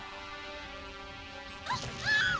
yaudah aku tinggalin aja kamu